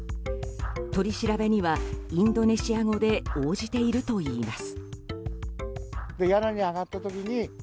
取り調べには、インドネシア語で応じているといいます。